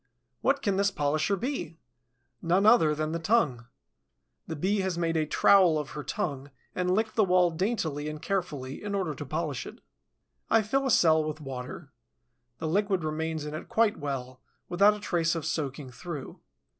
What can this polisher be? None other than the tongue. The Bee has made a trowel of her tongue and licked the wall daintily and carefully in order to polish it. I fill a cell with water. The liquid remains in it quite well, without a trace of soaking through.